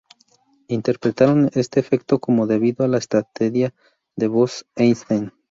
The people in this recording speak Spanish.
Interpretaron este efecto como debido a la estadística de Bose–Einstein.